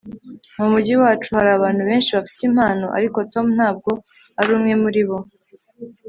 mu mujyi wacu hari abantu benshi bafite impano, ariko tom ntabwo ari umwe muri bo